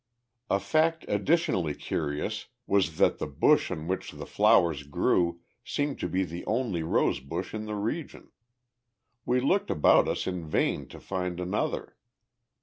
A fact additionally curious was that the bush on which the flowers grew seemed to be the only rose bush in the region. We looked about us in vain to find another.